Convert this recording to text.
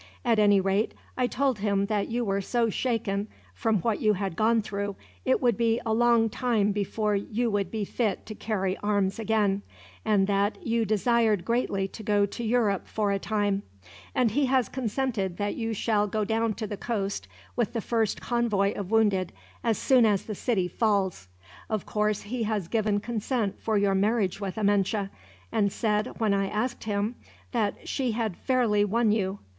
At any rate, I told him that you were so shaken from what you had gone through, it would be a long time before you would be fit to carry arms again; and that you desired greatly to go to Europe, for a time; and he has consented that you shall go down to the coast with the first convoy of wounded, as soon as the city falls. Of course, he has given consent for your marriage with Amenche; and said, when I asked him, that she had fairly won you.